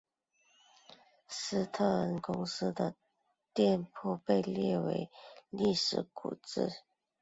斯特恩公司的店铺被列为历史古迹。